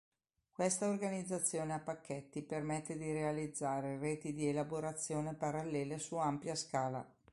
Questa organizzazione a pacchetti permette di realizzare reti di elaborazione parallele su ampia scala.